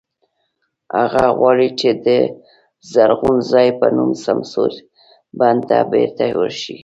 هغه غواړي چې د "زرغون ځای" په نوم سمسور بڼ ته بېرته ورشي.